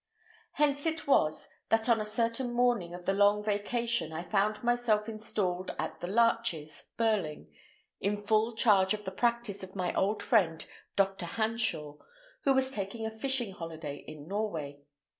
Hence it was that on a certain morning of the long vacation I found myself installed at The Larches, Burling, in full charge of the practice of my old friend Dr. Hanshaw, who was taking a fishing holiday in Norway.